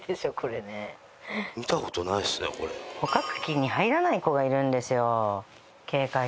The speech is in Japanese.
捕獲器に入らない子がいるんですよ警戒して。